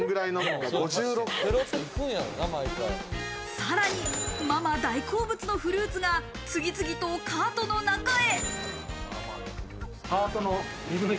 さらにママ大好物のフルーツが次々とカートの中へ。